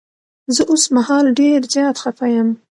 زه اوس مهال ډير زيات خفه یم.